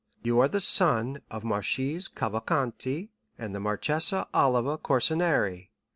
You are the son of the Marchese Cavalcanti and the Marchesa Oliva Corsinari.